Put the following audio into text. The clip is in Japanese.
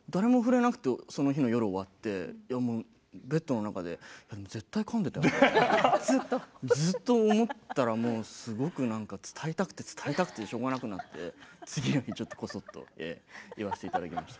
その日の夜、終わってベッドの中で絶対かんでいたよなってずっと思ったらすごく伝えたくてしょうがなくなって次の日ちょっとこそっと言わせていただきました。